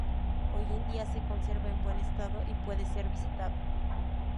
Hoy en día se conserva en buen estado y puede ser visitado.